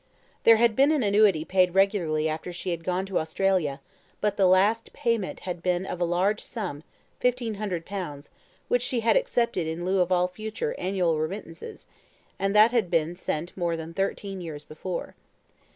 There had been an annuity paid regularly after she had gone to Australia; but the last payment had been of a large sum 1,500 pounds which she had accepted in lieu of all future annual remittances, and that had been sent more than thirteen years before.